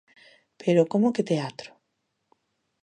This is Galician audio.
Pero, ¿como que teatro?